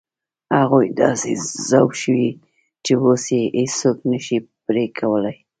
هغوی داسې ذوب شوي چې اوس یې هېڅوک نه شي پرې کولای.